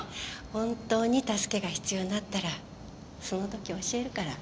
本当に助けが必要になったらその時教えるから。